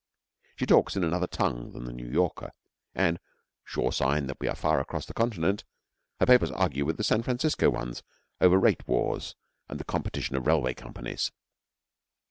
She talks in another tongue than the New Yorker, and sure sign that we are far across the continent her papers argue with the San Francisco ones over rate wars and the competition of railway companies.